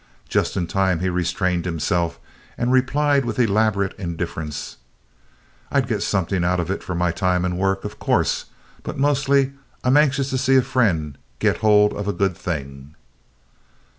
Just in time he restrained himself and replied with elaborate indifference: "I'd get something out of it for my time and work, of course, but, mostly, I'm anxious to see a friend get hold of a good thing."